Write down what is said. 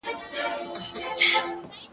ما شخصآ د نورستان او شمال